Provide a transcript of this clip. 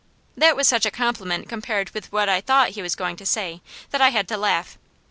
That was such a compliment compared with what I thought he was going to say that I had to laugh.